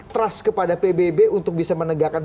trust kepada pbb untuk bisa menegakkan